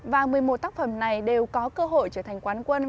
và một mươi một tác phẩm này đều có cơ hội trở thành quán quân